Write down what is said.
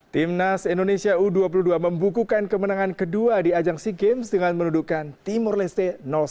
timnas indonesia u dua puluh dua membukukan kemenangan kedua di ajang sea games dengan menuduhkan timur leste satu